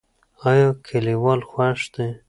ایا کلیوال خوښ دي؟